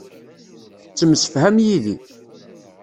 Tettemsefham yid-i.